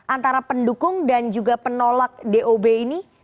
antara pendukung dan juga penolak dob ini